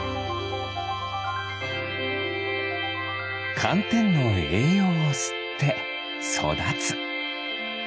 かんてんのえいようをすってそだつ。